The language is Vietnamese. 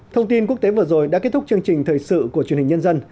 thông tin quốc tế vừa rồi đã kết thúc chương trình thời sự của truyền hình nhân dân